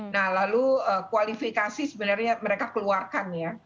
nah lalu kualifikasi sebenarnya mereka keluarkan ya